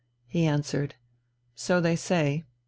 He answered: "So they say.